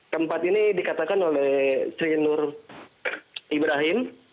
keempat ini dikatakan oleh sri nur ibrahim